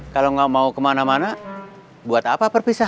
kalau gak mau kemana mana buat apa perpisahan